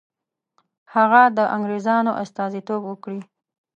هغه د انګرېزانو استازیتوب وکړي.